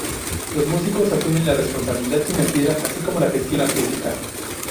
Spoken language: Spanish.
Los músicos asumen la responsabilidad financiera así como la gestión artística.